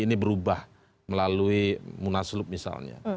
ini berubah melalui munaslup misalnya